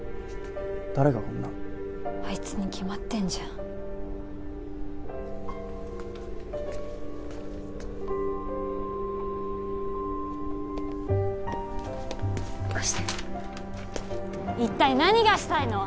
誰がこんなあいつに決まってんじゃん貸して一体何がしたいの？